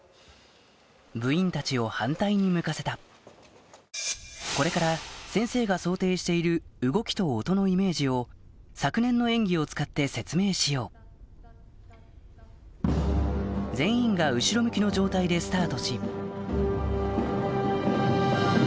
部員たちを反対に向かせたこれから先生が想定している動きと音のイメージを昨年の演技を使って説明しよう全員が後ろ向きの状態でスタートし